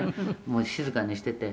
もう静かにしてて」